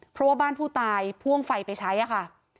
เพราะว่าบ้านผู้ตายพ่วงไฟไปใช้ค่ะ